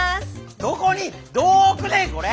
どこにどう置くねんこれ！